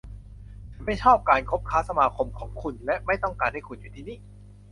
ฉันไม่ชอบการคบค้าสมาคมของคุณ และไม่ต้องการให้คุณอยู่ที่นี่